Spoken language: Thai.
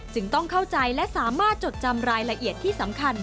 ต้องเข้าใจและสามารถจดจำรายละเอียดที่สำคัญ